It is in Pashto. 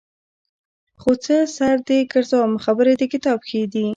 خو څه سر دې ګرځوم خبرې د کتاب ښې دي.